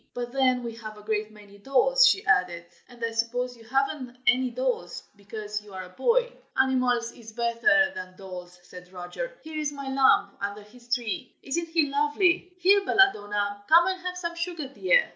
But then we have a great many dolls," she added, "and I suppose you have'nt any dolls, because you are a boy." "Animals is better than dolls," said Roger. "Here is my lamb, under this tree. Isn't he lovely? here, Belladonna, come and have some sugar, dear!"